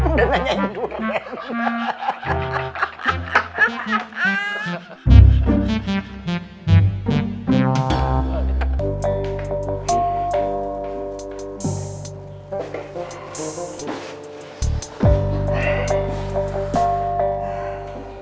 udah nanyain duren